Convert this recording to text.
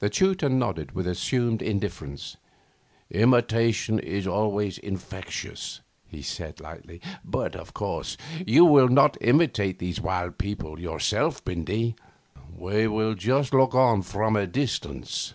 The tutor nodded with assumed indifference. 'Imitation is always infectious,' he said lightly; 'but, of course, you will not imitate these wild people yourself, Bindy. We'll just look on from a distance.